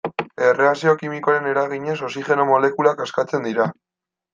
Erreakzio kimikoaren eraginez, oxigeno molekulak askatzen dira.